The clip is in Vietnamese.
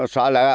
sọ lợi ạ